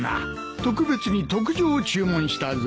特別に特上を注文したぞ。